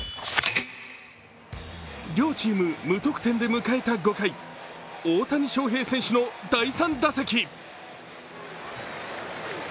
両チーム無得点で迎えた５回、大谷翔平選手の第３打席。